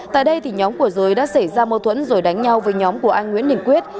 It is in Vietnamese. tại đây thì nhóm của giới đã xảy ra mâu thuẫn rồi đánh nhau với nhóm của anh nguyễn đình quyết